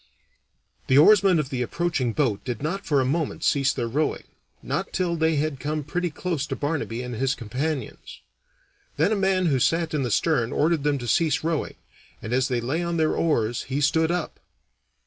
The oarsmen of the approaching boat did not for a moment cease their rowing, not till they had come pretty close to Barnaby and his companions. Then a man who sat in the stern ordered them to cease rowing, and as they lay on their oars he stood up.